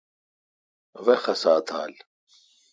وی خسا تھال۔